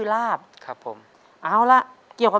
ต้นไม้ประจำจังหวัดระยองการครับ